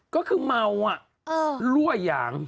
ก็คือเมาอ่ะรั่วอย่าง